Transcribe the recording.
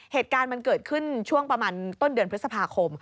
เหตุการณ์มันเกิดขึ้นช่วงประมาณต้นเดือนพฤษภาคม